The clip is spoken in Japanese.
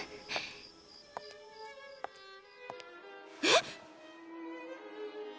えっ？